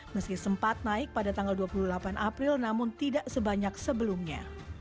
meski sempat naik pada tanggal dua puluh delapan april namun tidak sebanyak sebelumnya